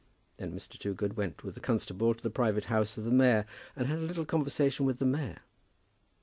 Then Mr. Toogood went with the constable to the private house of the mayor, and had a little conversation with the mayor.